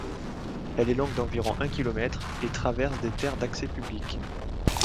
Elle est longue d'environ un kilomètre et traverse des terres d'accès public.